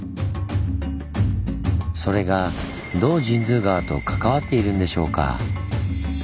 それがどう神通川と関わっているんでしょうか？